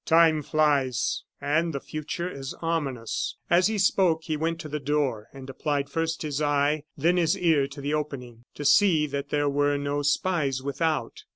Time flies and the future is ominous." As he spoke, he went to the door and applied first his eye, then his ear to the opening, to see that there were no spies without.